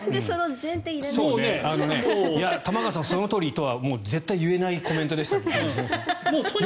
玉川さん、そのとおりとは絶対言えないコメントです。